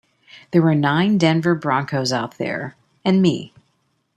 There were nine Denver Broncos out there, and me.